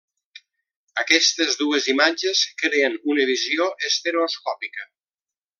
Aquestes dues imatges creen una visió estereoscòpica.